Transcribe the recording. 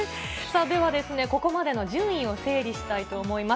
ではですね、ここまでの順位を整理したいと思います。